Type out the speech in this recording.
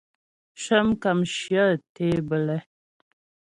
Shə́ mkàmshyə tě bə́lɛ.